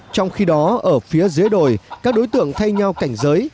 trong khi đó ở phía dưới đồi các đối tượng thay nhau cảnh giới